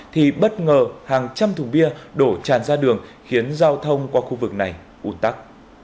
thì bất ngờ hàng trăm thùng bia đổ tràn ra đường khiến giao thông qua khu vực này ủn tắc